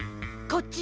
こっち。